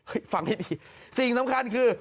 เฮ้ยฟังไว้ดีซึ่งสำคัญคือ